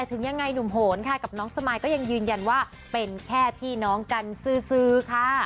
ถึงยังไงหนุ่มโหนค่ะกับน้องสมายก็ยังยืนยันว่าเป็นแค่พี่น้องกันซื้อค่ะ